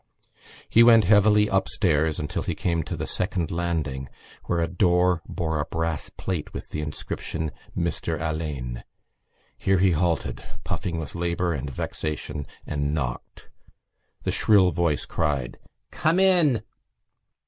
He went heavily upstairs until he came to the second landing, where a door bore a brass plate with the inscription Mr Alleyne. Here he halted, puffing with labour and vexation, and knocked. The shrill voice cried: "Come in!"